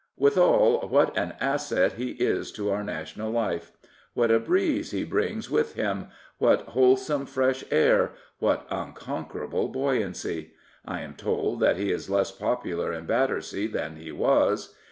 Withal, what an asset he is to our national life! What a breeze he brings with him, what wholesome fresh air, what unconquerable buoyancy! I am told that he is less popular in Battersea than he was.